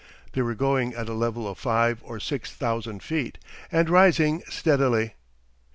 They were going at a level of five or six thousand feet, and rising steadily.